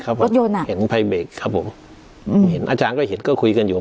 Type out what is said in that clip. เค้าเสือว่าเห็นครับผมอืมอาจารย์ก็เห็นก็คุยกันอยู่